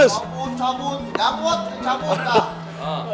sambut sambut gambut sambut